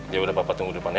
yaudah papa tunggu di depan ya